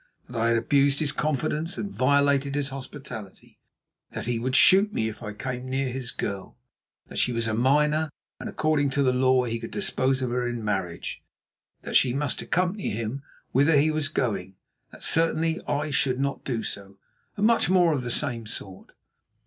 That I had abused his confidence and violated his hospitality; that he would shoot me if I came near his girl. That she was a minor, and according to the law he could dispose of her in marriage. That she must accompany him whither he was going; that certainly I should not do so, and much more of the same sort.